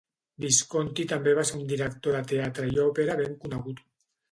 Visconti també va ser un director de teatre i òpera ben conegut.